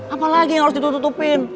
apalagi yang harus ditutupin